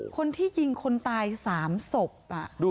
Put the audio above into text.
คนที่ยิงคนตาย๓ศพ